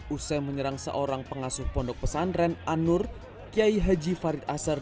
usai menyerang seorang pengasuh pondok pesantren anur kiai haji farid asar